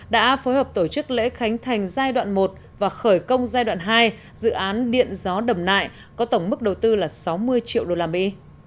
đã phối hợp tổ chức lễ khánh thành giai đoạn một và khởi công giai đoạn hai dự án điện gió đầm nại có tổng mức đầu tư là sáu mươi triệu đô la mỹ